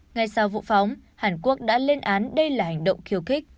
ngay sau vụ phóng hàn quốc đã lên án đây là hành động khiêu khích